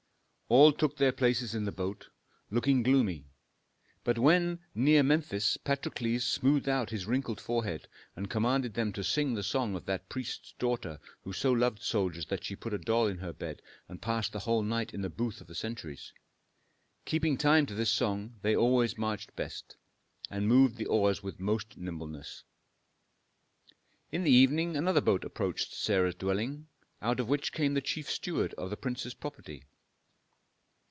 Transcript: All took their places in the boat, looking gloomy. But when near Memphis Patrokles smoothed out his wrinkled forehead and commanded them to sing the song of that priest's daughter who so loved soldiers that she put a doll in her bed and passed the whole night in the booth of the sentries. Keeping time to this song, they always marched best, and moved the oars with most nimbleness. In the evening another boat approached Sarah's dwelling, out of which came the chief steward of the prince's property.